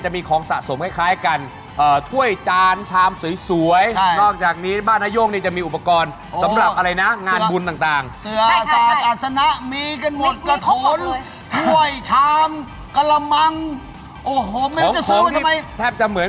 กินอาหารส่วนใหญ่ไม่ได้ไม่ค่อยได้ทาน